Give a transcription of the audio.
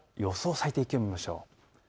最低気温を見てみましょう。